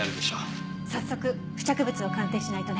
早速付着物を鑑定しないとね。